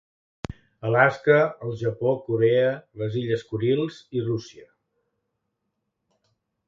Alaska, el Japó, Corea, les illes Kurils i Rússia.